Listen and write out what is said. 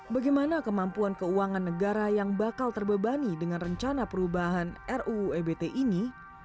bagaimana kemampuan keuangan negara yang bakal terbebani dengan rencana perubahan ruu ebt ini